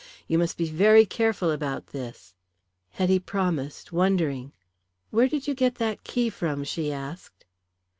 You must be very careful about this." Hetty promised, wondering. "Where did you get that key from?" she asked.